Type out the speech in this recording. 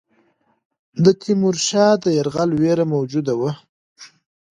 د تیمورشاه د یرغل وېره موجوده وه.